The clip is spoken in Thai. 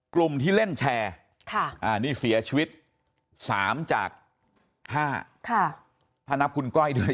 กลุ่มที่เล่นแชร์นี่เสียชีวิต๓จาก๕ถ้านับคุณก้อยด้วย